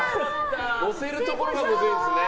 乗せるところがむずいんですね。